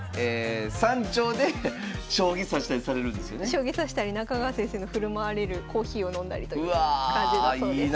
将棋指したり中川先生の振る舞われるコーヒーを飲んだりという感じだそうです。